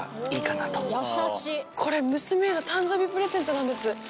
これ娘への誕生日プレゼントなんです。